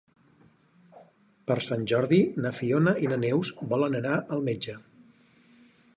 Per Sant Jordi na Fiona i na Neus volen anar al metge.